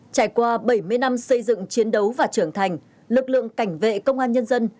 trải qua bảy mươi năm xây dựng chiến đấu và trưởng thành lực lượng cảnh vệ công an nhân dân